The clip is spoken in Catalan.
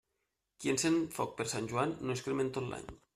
Qui encén foc per Sant Joan, no es crema en tot l'any.